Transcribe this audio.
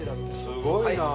すごいなあ。